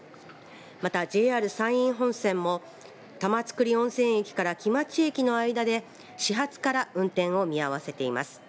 またＪＲ山陰本線も玉造温泉駅から来待駅の間で始発から運転を見合わせています。